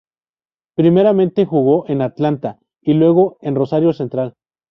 Primeramente jugó en Atlanta, y luego en Rosario Central.